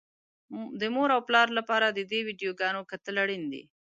د مور او پلار لپاره د دې ويډيوګانو کتل اړين دي.